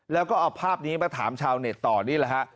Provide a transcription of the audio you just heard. แล้วก็เอาภาพนี้มาถามชาวเน็ตต่อนี่แหละฮะ